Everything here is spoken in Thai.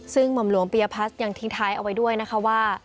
ซึ่งหม่อมหลวงปียพัฒน์ยังทิ้งท้ายเอาไว้ด้วยนะคะว่า